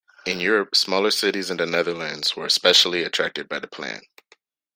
In Europe, smaller cities in the Netherlands were specially attracted by the plan.